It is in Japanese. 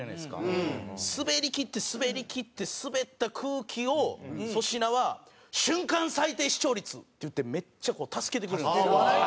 スベりきってスベりきってスベった空気を粗品は「瞬間最低視聴率」って言ってめっちゃ助けてくれるんですよ。